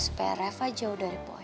supaya reva jauh dari si boy